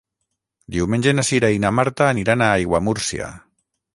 Diumenge na Cira i na Marta aniran a Aiguamúrcia.